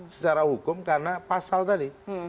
secara hukum karena pasal tadi